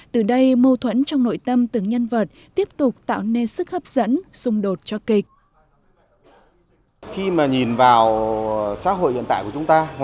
từ đây mâu thuẫn trong nội tâm từng nhân vật tiếp tục tạo nên sức hấp dẫn xung đột cho kịch